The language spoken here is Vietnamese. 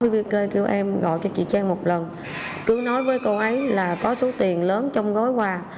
việc kêu em gọi cho chị trang một lần cứ nói với cô ấy là có số tiền lớn trong gói quà